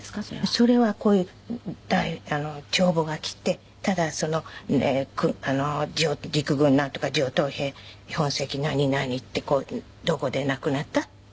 それはこういう台帳簿が来てただ陸軍なんとか上等兵本籍何々ってどこで亡くなったって。